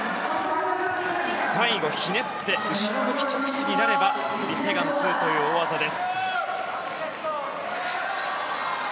最後、ひねって後ろ向き着地になればリ・セグァン２という大技です。